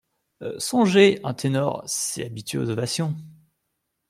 Songez, un ténor, c’est habitué aux ovations…